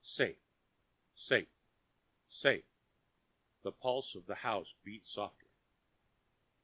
"Safe, safe, safe," the pulse of the house beat softly.